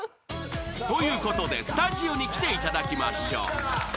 ［ということでスタジオに来ていただきましょう］